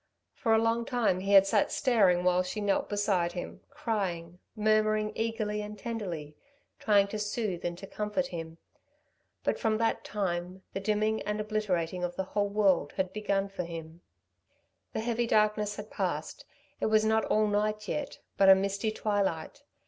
For a long time he had sat staring while she knelt beside him, crying, murmuring eagerly and tenderly, trying to soothe and to comfort him. But from that time the dimming and obliterating of the whole world had begun for him. The heavy darkness had passed. It was not all night yet, but a misty twilight.